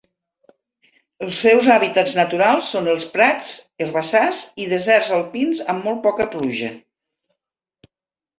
Els seus hàbitats naturals són els prats, herbassars i deserts alpins amb molt poca pluja.